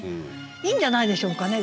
いいんじゃないでしょうかね。